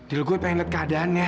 edo gue pengen liat keadaannya